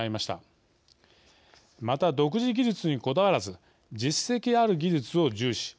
また独自技術にこだわらず実績ある技術を重視。